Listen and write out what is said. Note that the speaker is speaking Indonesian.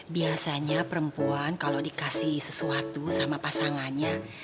biasanya perempuan kalau dikasih sesuatu sama pasangannya